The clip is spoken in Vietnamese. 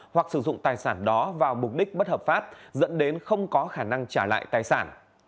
hoặc sử dụng tài sản đó vào mục đích bất hợp pháp dẫn đến không có khả năng trả lại tài sản